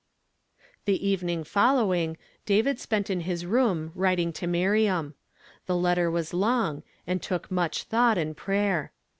The evening following David spent in his room writing to Miriam. The letter was long, and took „,«ch thought and prayer.